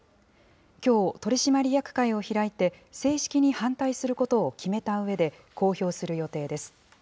きょう、取締役会を開いて、正式に反対することを決めたうえで、公表する予定です。